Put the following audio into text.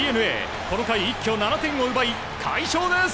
この回、一挙７点を奪い快勝です。